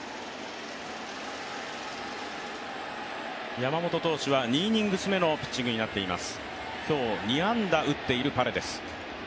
山本投手は２イニングス目のピッチングになっています。